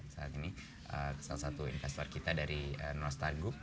saat ini salah satu investor kita dari nostal group